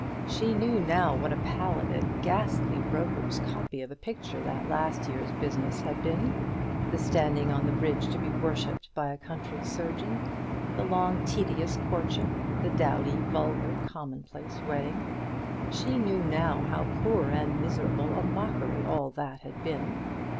She knew now what a pallid and ghastly broker's copy of a picture that last year's business had been; the standing on the bridge to be worshipped by a country surgeon; the long tedious courtship; the dowdy, vulgar, commonplace wedding, she knew now how poor and miserable a mockery all that had been.